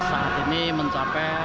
saat ini mencapai delapan puluh tujuh dua